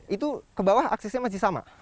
itu ke bawah aksesnya masih sama